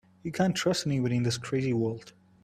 You can't trust anybody in this crazy world.